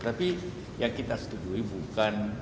tapi yang kita setujui bukan